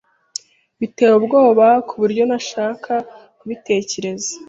Biteye ubwoba kuburyo ntashaka kubitekereza.